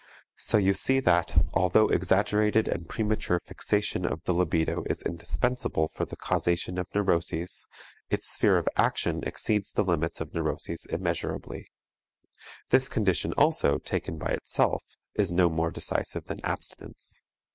So you see that, although exaggerated and premature fixation of the libido is indispensable for the causation of neuroses, its sphere of action exceeds the limits of neuroses immeasurably. This condition also, taken by itself, is no more decisive than abstinence.